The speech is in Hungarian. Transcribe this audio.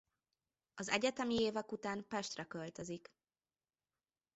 Az egyetemi évek után Pestre költözik.